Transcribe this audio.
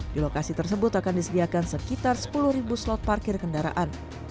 di lokasi tersebut akan disediakan sekitar sepuluh slot parkir kendaraan